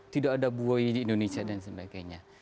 tidak ada buoy di indonesia dan sebagainya